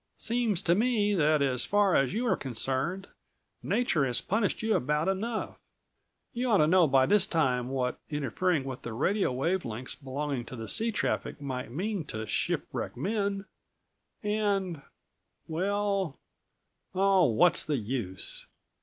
"Seems to me that as far as you are concerned, nature has punished you about enough. You ought to know by this time what interfering with the radio wave lengths belonging to sea traffic might mean to shipwrecked men; and—well—Oh, what's the use!"